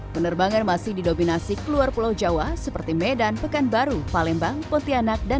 penerbangan masih didominasi keluar pulau jawa seperti medan pekanbaru palembang pontianak dan